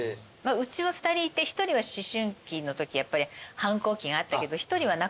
うちは２人いて１人は思春期のときやっぱり反抗期があったけど１人はなかったのね。